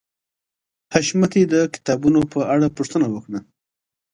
حشمتي د کتابونو په اړه پوښتنه وکړه